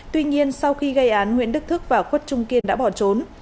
tuy nhiên sau khi gây án nguyễn đức thức và khuất trung kiên đã bỏ trốn